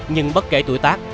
nhưng bất kể tuổi tác